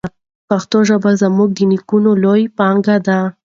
پښتو ژبه زموږ د نیکونو لویه پانګه ده.